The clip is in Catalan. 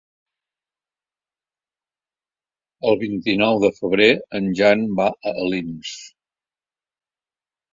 El vint-i-nou de febrer en Jan va a Alins.